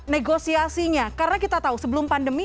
negosiasinya karena kita tahu sebelum pandemi